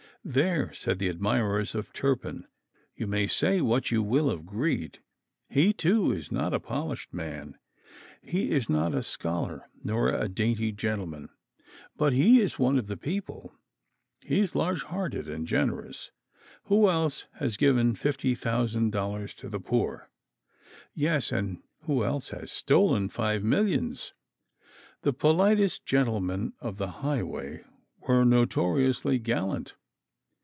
"There," said the admirers of Turpin, "you may say what you will of Greed. He, too, is not a polished man; he is not a scholar nor a dainty gentleman; but he is one of the people; he is large hearted and generous. Who else has given fifty thousand dollars to the poor?" Yes, and who else has stolen five millions? The politest gentlemen of the highway were notoriously gallant.